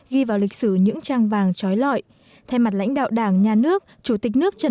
ghi vào lịch sử những trang vàng trói lọi thay mặt lãnh đạo đảng nhà nước chủ tịch nước trần